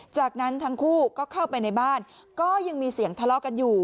จากนั้นทั้งคู่ก็เข้าไปในบ้านก็ยังมีเสียงทะเลาะกันอยู่